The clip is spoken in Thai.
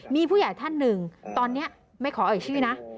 มีผู้ใหญ่ท่านหนึ่งตอนนี้ไม่ขอเอ่ยชื่อนะ